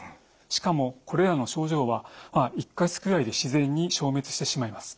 しかもこれらの症状は１か月ぐらいで自然に消滅してしまいます。